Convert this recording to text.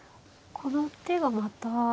この手がまた。